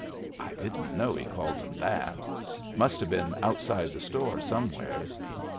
I didn't know he'd called 'em that. Must have been outside the store somewheres.